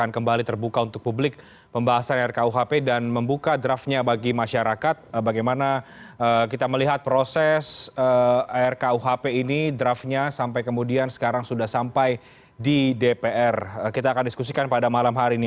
kita akan diskusikan pada malam hari ini